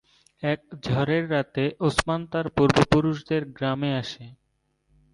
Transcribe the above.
এক ঝড়ের রাতে ওসমান তার পূর্বপুরুষদের গ্রামে আসে।